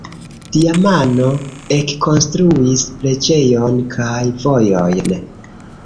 Damiano ekkonstruis preĝejon kaj vojojn.